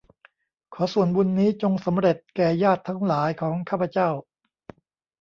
ขอส่วนบุญนี้จงสำเร็จแก่ญาติทั้งหลายของข้าพเจ้า